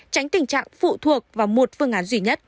tránh tình trạng phụ thuộc vào một phương án duy nhất